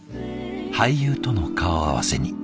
俳優との顔合わせに。